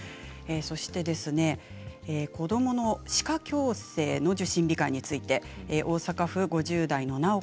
子どもの歯科矯正の受診控えについて大阪府５０代の方。